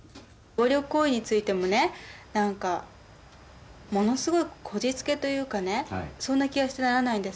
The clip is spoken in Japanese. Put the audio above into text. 暴力行為についてもね何かものすごくこじつけというかねそんな気がしてならないんですね